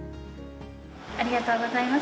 ありがとうございます。